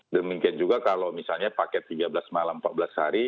dan mungkin juga kalau misalnya paket tiga belas malam empat belas hari